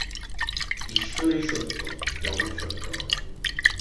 ঈশ্বরই সত্য, জগৎ সত্য নয়।